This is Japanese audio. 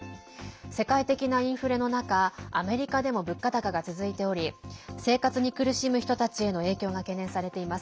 世界的なインフレの中アメリカでも物価高が続いており生活に苦しむ人たちへの影響が懸念されています。